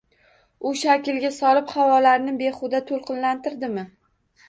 U shaklga solib, havolarni behuda to’lqinlantirdimi